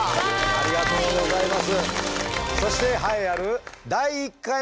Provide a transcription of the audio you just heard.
ありがとうございます。